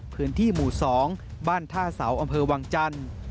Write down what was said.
พื้นที่หมู่๒บ้านท่าเสาอำเภอวังจันทร์